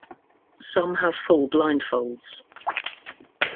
Some have full blindfolds.